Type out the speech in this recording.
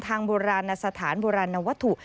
ทางบรรณสถานบรรณวัตถุ